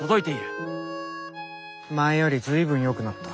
前より随分よくなった。